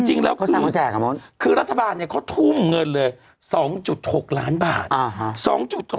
จริงแล้วคือรัฐบาลเขาทุ่มเงินเลย๒๖ล้านบาท